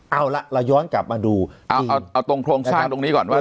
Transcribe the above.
เอาล่ะเราย้อนกลับมาดูเอาตรงโครงสร้างตรงนี้ก่อนว่า